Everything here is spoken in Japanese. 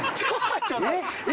えっ？